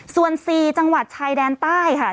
ส่วน๔จังหวัดชายแดนใต้ค่ะ